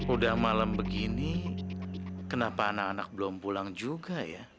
udah malam begini kenapa anak anak belum pulang juga ya